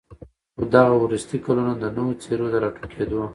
خو دغه وروستي كلونه د نوو څېرو د راټوكېدو